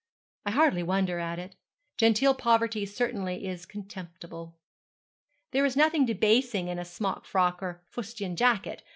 I hardly wonder at it. Genteel poverty certainly is contemptible. There is nothing debasing in a smock frock or a fustian jacket.